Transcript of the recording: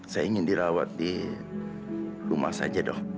saya ingin dirawat di rumah saja dong